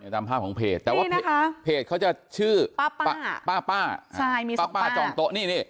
ตามภาพของเพจนี่นะคะเพจเขาจะชื่อป้าป้าป้าป้าใช่มีสองป้าป้าป้าจองโต๊ะนี่นี่